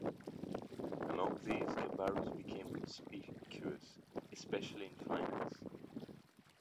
Among these Cabarrus became conspicuous, especially in finance.